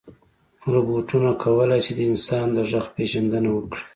روبوټونه کولی شي د انسان د غږ پېژندنه وکړي.